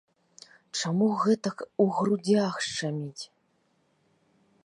Чаму гэтак у грудзях шчаміць?